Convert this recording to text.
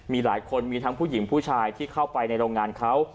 มีหลายคนมีทั้งผู้หญิงผู้ชายที่เข้าไปในโรงงานเขา